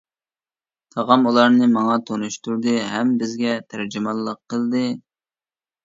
تاغام ئۇلارنى ماڭا تونۇشتۇردى ھەم بىزگە تەرجىمانلىق قىلدى.